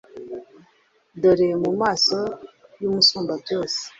dore mu maso y’Umusumbabyose,